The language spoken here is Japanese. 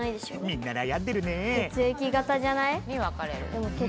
みんな悩んでるねえ。